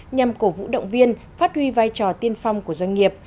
nhằm cổ vũ động viên phát huy vai trò tiên phong của doanh nghiệp